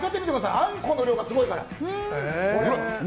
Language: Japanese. あんこの量がすごいから。